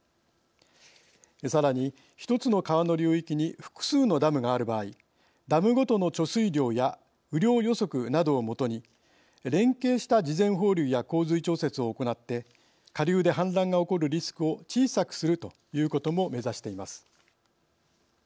さらに一つの川の流域に複数のダムがある場合ダムごとの貯水量や雨量予測などをもとに連携した事前放流や降水調節を行って下流で氾濫が起こるリスクを小さくするということも目指しています。